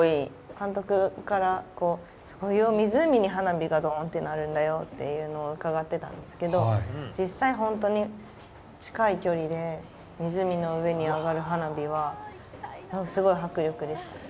監督から、すごいよ、湖に花火がどーんとなるんだよっていうのを伺ってたんですけど、実際、本当に近い距離で湖の上に上がる花火は、なんかすごい迫力でした。